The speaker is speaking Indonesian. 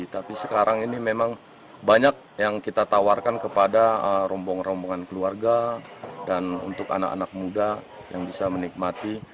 tapi sekarang ini memang banyak yang kita tawarkan kepada rombongan rombongan keluarga dan untuk anak anak muda yang bisa menikmati